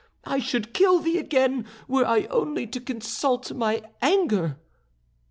I should kill thee again, were I only to consult my anger."